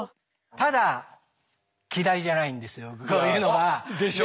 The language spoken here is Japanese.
ただ嫌いじゃないんですよこういうのが。でしょ？